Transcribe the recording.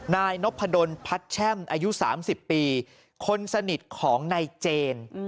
นายนพดลพัดแช่มอายุ๓๐ปีคนสนิทของนายเจน